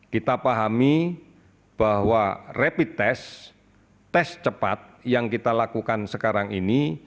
kita pahami bahwa rapid test tes cepat yang kita lakukan sekarang ini